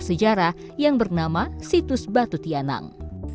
di situ saya akan menemukan situs gua prasejarah yang bernama situs batu tianang